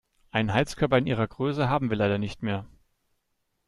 Einen Heizkörper in Ihrer Größe haben wir leider nicht mehr.